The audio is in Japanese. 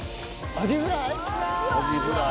アジフライ？